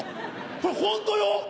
これホントよ！